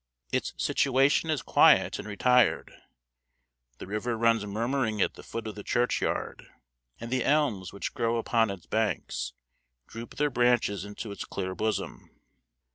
Its situation is quiet and retired; the river runs murmuring at the foot of the churchyard, and the elms which grow upon its banks droop their branches into its clear bosom.